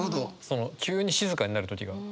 その急に静かになる時が。